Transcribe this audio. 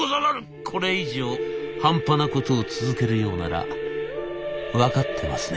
「これ以上半端なことを続けるようなら分かってますね？」。